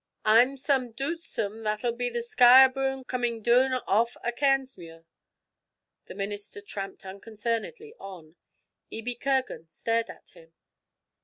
'I'm some dootsome that'll be the Skyreburn coming doon aff o' Cairnsmuir!' The minister tramped unconcernedly on. Ebie Kirgan stared at him.